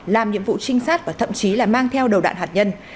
làm nhiệm vụ trinh sát và thậm chí là mang theo đầu đạn hạt nhân